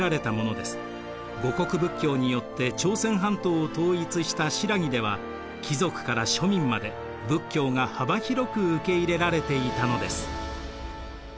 護国仏教によって朝鮮半島を統一した新羅では貴族から庶民まで仏教が幅広く受け入れられていたのです。